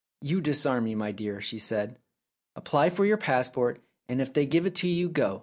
"You disarm me, dear," she said. "Apply for your passport, and if they give it you, go.